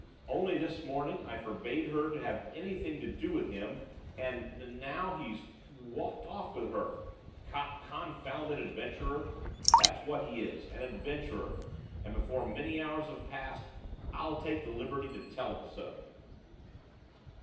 'Only this morning I forbade her to have anything to do with him, and n now he's w walked off with her! C confounded adventurer! That's what he is, an adventurer, and before many hours have passed I'll take the liberty to tell him so!